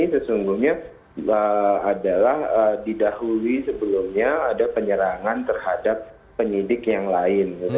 sesungguhnya adalah didahului sebelumnya ada penyerangan terhadap penyidik yang lain